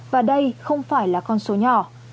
và đây không phải là con số nhỏ